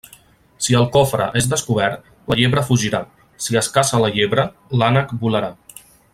Si el cofre és descobert, la llebre fugirà; si es caça la llebre, l'ànec volarà.